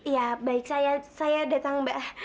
ya baik saya datang mbak